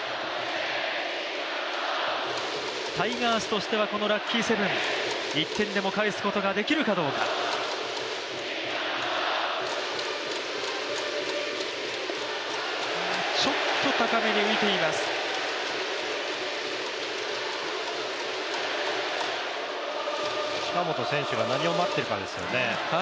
タイガースとしてはこのラッキーセブン、１点でも返すことができるかどうか近本選手が何を待っているかですよね。